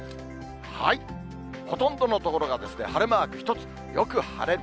ほとんどの所が晴れマーク一つ、よく晴れる。